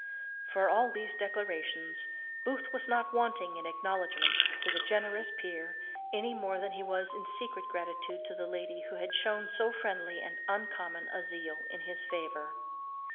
For all these declarations Booth was not wanting in acknowledgments to the generous peer any more than he was in secret gratitude to the lady who had shewn so friendly and uncommon a zeal in his favour.